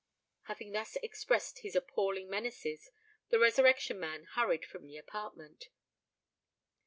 Having thus expressed his appalling menaces, the Resurrection Man hurried from the apartment.